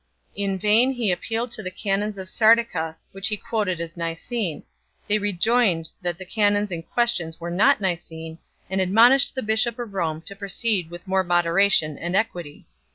In vain he appealed to the canons of Sardica, which he quoted as Nicene; they rejoined that the canons in question were not Nicene, and admonished the bishop of Rome to proceed with more moderation and equity 1